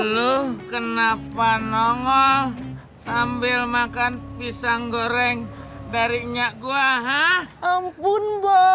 lu kenapa nongol sambil makan pisang goreng dari nyak gua ha ampun bos